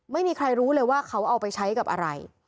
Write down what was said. ไม่มีใครรู้เลยว่าเขาเอาไปใช้กับอะไร